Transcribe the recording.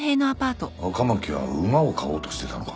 赤巻は馬を買おうとしてたのか？